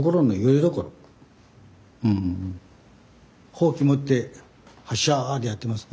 ほうき持って「発車」ってやってます。